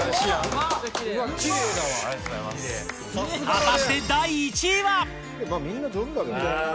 果たして第１位は？